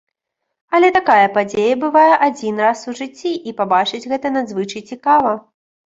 Але такая падзея бывае адзін раз у жыцці, і пабачыць гэта надзвычай цікава.